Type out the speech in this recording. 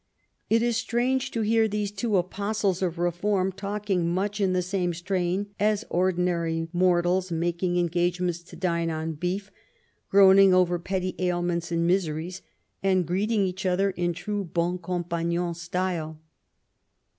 It is strange to hear these two apostles of reform talking^ much in the same strain as ordinary mortals^ making engagements to dine on beef^ groaning over petty ailments and miseries, and greeting each other in true bon compagnon style.